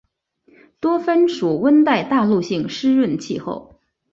多芬属温带大陆性湿润气候。